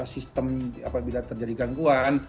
sistem apabila terjadi gangguan